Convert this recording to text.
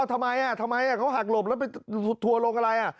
ทำไมอ่ะทำไมอ่ะเขาหักหลบแล้วไปถั่วลงอะไรอ่ะ